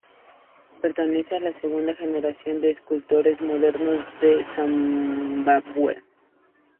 Pertenece a la segunda generación de escultores modernos de Zimbabue.